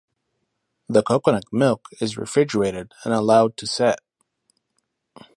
The coconut milk is refrigerated and allowed to set.